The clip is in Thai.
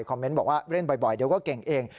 เมนต์บอกว่าเล่นบ่อยเดี๋ยวก็เก่งเอง